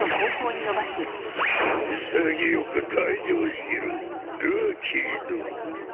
潔く退場しろルーキーども！